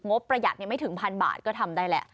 ประหยัดไม่ถึงพันบาทก็ทำได้แล้ว